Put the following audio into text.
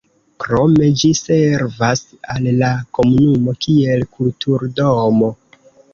Krome ĝi servas al la komunumo kiel kulturdomo.